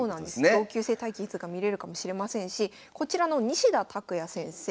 同級生対決が見れるかもしれませんしこちらの西田拓也先生